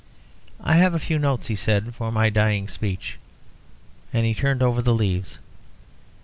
"I have a few notes," he said, "for my dying speech;" and he turned over the leaves.